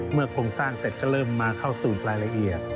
โครงสร้างเสร็จก็เริ่มมาเข้าสู่รายละเอียด